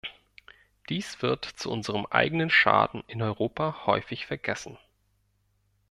Dies wird zu unserem eigenen Schaden in Europa häufig vergessen.